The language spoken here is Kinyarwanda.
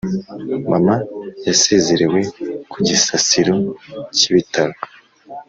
mama yasezerewe ku gisasiro cy’ibitaro